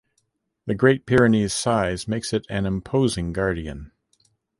The Great Pyrenees' size makes it an imposing guardian.